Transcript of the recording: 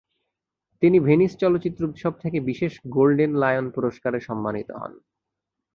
তিনি ভেনিস চলচ্চিত্র উৎসব থেকে বিশেষ গোল্ডেন লায়ন পুরস্কারে সম্মানিত হন।